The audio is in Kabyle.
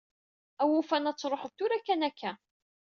Awufan ad tṛuḥeḍ tura kan akka.